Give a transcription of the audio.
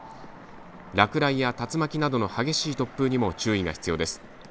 落雷や竜巻などの激しい突風にも注意が必要です。